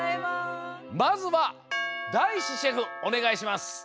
まずはだいしシェフおねがいします。